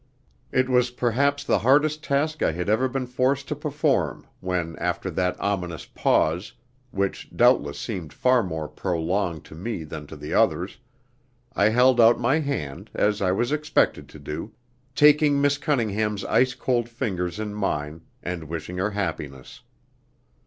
It was perhaps the hardest task I had ever been forced to perform when after that ominous pause, which doubtless seemed far more prolonged to me than to the others, I held out my hand, as I was expected to do, taking Miss Cunningham's ice cold fingers in mine, and wishing her happiness.